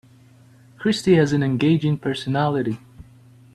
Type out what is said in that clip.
Christy has an engaging personality.